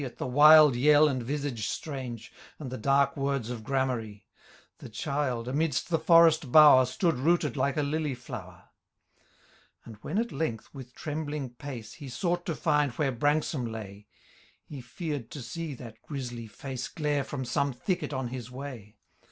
At the wild yell and visage strange. And the dark words of gramarye, The child, amidst the forest bower, Stood rooted like a lily flower ; And when at length, with trembling pnce, He sought to find where Branksome 1ay« He feared to see that grisly foce Glare from some thicket on his way.